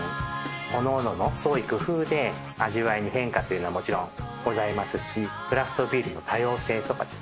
おのおのの創意工夫で味わいに変化というのはもちろんございますしクラフトビールの多様性とかですね